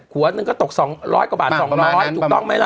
หัวหนึ่งก็ตก๒๐๐กว่าบาท๒๐๐ถูกต้องไหมล่ะ